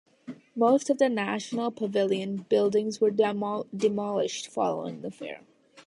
Most of the national pavilion buildings were demolished following the fair.